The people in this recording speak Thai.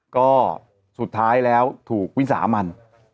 ก็สุดท้ายแล้วถูกวิสามัน